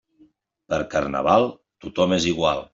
Per Carnaval, tothom és igual.